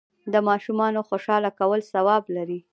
د ماشومانو خوشحاله کول ثواب لري.